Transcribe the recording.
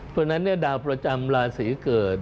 เพราะฉะนั้นดาวประจำราศีเกิด